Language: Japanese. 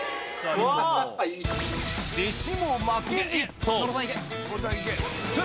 弟子も負けじと。